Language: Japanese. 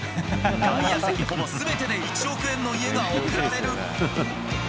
外野席ほぼすべてで１億円の家が贈られる。